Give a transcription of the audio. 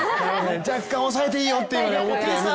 若干抑えていいよって思ってました。